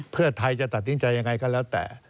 เพื่อไทยจะตัดสินใจยังไงก็แล้วแต่